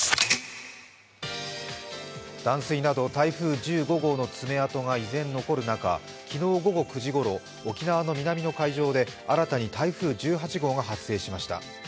断水など台風１５号の爪痕が残る中昨日午後９時ごろ、沖縄の南の海上で新たに台風１８号が発生しました。